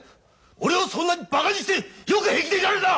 俺をそんなにバカにしてよく平気でいられるな！